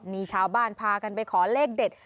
มีชาวบ้านพากันไปขอเลขเด็ด